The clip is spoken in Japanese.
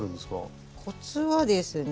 コツはですね